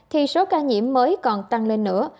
thì số ca nhiễm mới còn tăng lên nữa